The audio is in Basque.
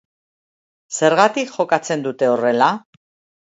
Zergatik jokatzen dute horrela?